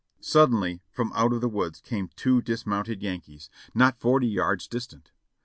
Suddenly from out of the woods came two dismounted Yankees, not forty yards distant.